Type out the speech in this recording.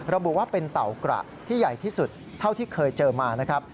ระบุว่าเป็นเต่ากระที่ใหญ่ที่สุดเท่าที่เคยเจอมานะครับ